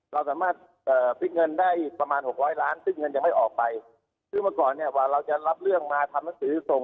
แล้วแบบที่การออกไปซึ่งเมื่อก่อนเนี่ยว่าเราจะรับเรื่องมาทำนักศึกษง